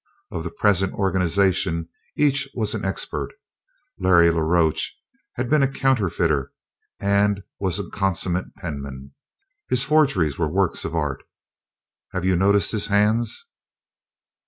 Of the present organization each was an expert. Larry la Roche had been a counterfeiter and was a consummate penman. His forgeries were works of art. "Have you noticed his hands?"